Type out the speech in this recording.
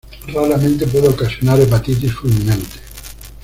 Raramente puede ocasionar hepatitis fulminante.